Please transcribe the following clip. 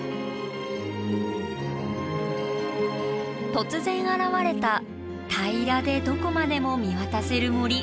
突然現れた平らでどこまでも見渡せる森。